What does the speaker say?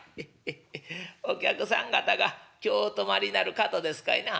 「ヘッヘッヘッお客さん方が今日お泊まりになる方ですかいな？」。